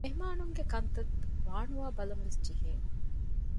މެހެމާނުންގެ ކަންތައް ވާނުވާ ބަލަންވެސް ޖެހޭނެ